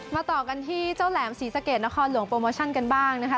ต่อกันที่เจ้าแหลมศรีสะเกดนครหลวงโปรโมชั่นกันบ้างนะคะ